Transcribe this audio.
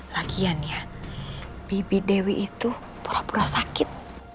lagian ya bibi dewi itu pura pura sakit